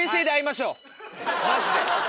マジで！